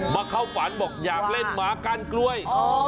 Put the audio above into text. เข้าฝันบอกอยากเล่นหมากั้นกล้วย